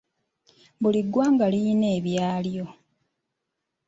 Buli ggwanga lirina ebyalyo.